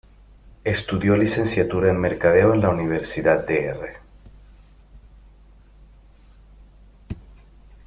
Estudió Licenciatura en Mercadeo en la Universidad Dr.